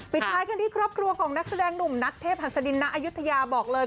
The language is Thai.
ท้ายกันที่ครอบครัวของนักแสดงหนุ่มนัทเทพหัสดินณอายุทยาบอกเลย